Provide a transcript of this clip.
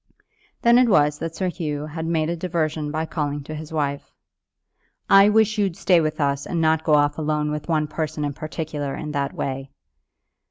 Then it was that Sir Hugh had made a diversion by calling to his wife. "I wish you'd stay with us, and not go off alone with one person in particular, in that way."